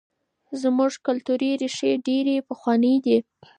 زموږ کلتوري ریښې ډېرې پخوانۍ دي.